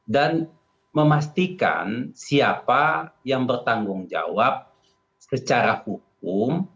dan memastikan siapa yang bertanggung jawab secara hukum